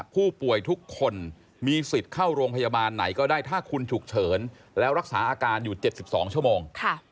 ผู้ป่วยทุกคนมีสิทธิ์เข้าโรงพยาบาลไหนก็ได้ถ้าคุณฉุกเฉินแล้วรักษาอาการอยู่๗๒ชั่วโมง